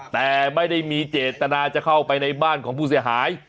แต่ไม่ได้มีเจตนาจะเข้าไปในบ้านของผู้เสียหาย